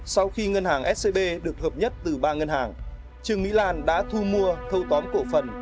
sau khi ngân hàng scb được hợp nhất từ ba ngân hàng trương mỹ lan đã thu mua thâu tóm cổ phần